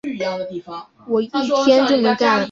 这类病患俗称为植物人。